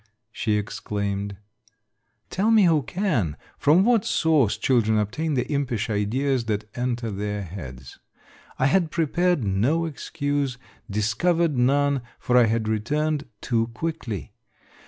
" she exclaimed. Tell me who can from what source children ob tain the impish ideas that enter their heads. I had prepared no excuse, discovered none, — for I had returned too quickly.